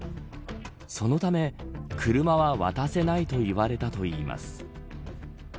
そのため、車は渡せないと言われたといいます。